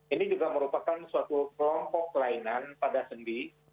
ini juga merupakan suatu kelompok kelainan pada sendi